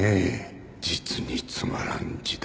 実につまらん字だ